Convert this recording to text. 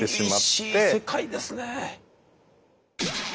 厳しい世界ですね。